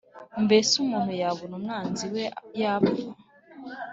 Mbese umuntu yabona umwanzi we yapfa